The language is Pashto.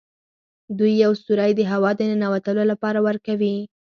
دوی یو سوری د هوا د ننوتلو لپاره ورکوي.